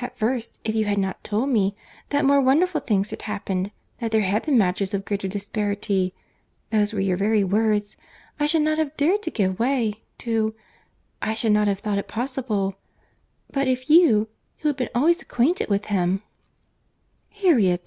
At first, if you had not told me that more wonderful things had happened; that there had been matches of greater disparity (those were your very words);—I should not have dared to give way to—I should not have thought it possible—But if you, who had been always acquainted with him—" "Harriet!"